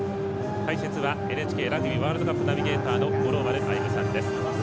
解説はＮＨＫラグビーワールドカップナビゲーターの五郎丸歩さんです。